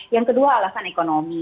yang kedua alasan ekonomi